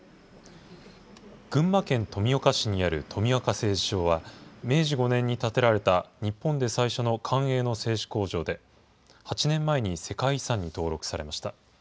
群馬県富岡市にある富岡製糸場は、明治５年に建てられた日本で最初の官営の製糸工場で、８年前に世界遺産に登録されました。